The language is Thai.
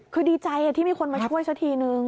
คือดีใจที่มีคนมาช่วยซะทีนึง